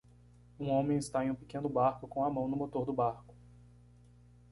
Um homem está em um pequeno barco com a mão no motor do barco.